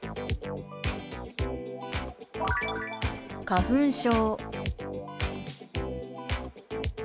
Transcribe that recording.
「花粉症」。